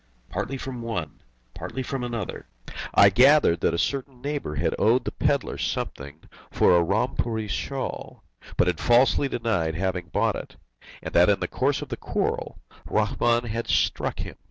Partly from one, partly from another, I gathered that a certain neighbour had owed the pedlar something for a Rampuri shawl, but had falsely denied having bought it, and that in the course of the quarrel, Rahmun had struck him.